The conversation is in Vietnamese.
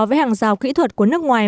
với hàng rào kỹ thuật của nước ngoài